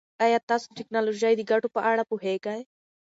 ایا تاسو د ټکنالوژۍ د ګټو په اړه پوهېږئ؟